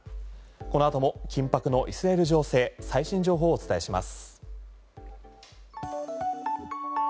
この後も緊迫のイスラエル情勢最新情報をお伝えします。